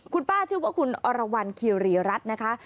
คุณป้าชื่อว่าคุณอรวรรณคีรีรัฐนะคะ